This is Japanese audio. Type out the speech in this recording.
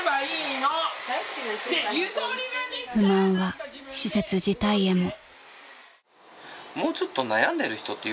［不満は施設自体へも］